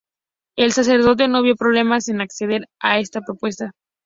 El sacerdote no vio problemas en acceder a esta propuesta.